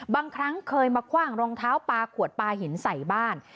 บางครั้งเคยมาคว่างรองเท้าปลาขวดปลาหินใส่บ้าน